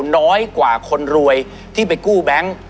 น้อยกว่าคนรวยที่ไปกู้แบงค์